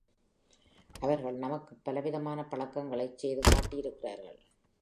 அவர்கள் நமக்குப் பலவிதமான பழக்கங்களைச் செய்து காட்டியிருக்கிறார்கள்.